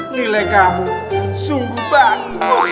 nilai kamu sungguh bagus